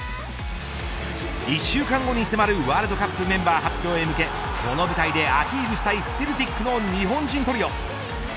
１週間後に迫るワールドカップメンバー発表に向けこの舞台でアピールしたいセルティックの日本人トリオ。